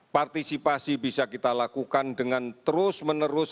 partisipasi bisa kita lakukan dengan terus menerus